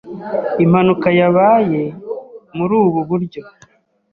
Impanuka yabaye muri ubu buryo.